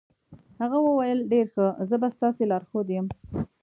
هغه وویل ډېر ښه، زه به ستاسې لارښود یم.